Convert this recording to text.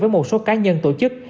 với một số cá nhân tổ chức